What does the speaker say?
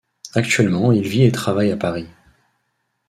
Actuellement il vit et travaille à Paris.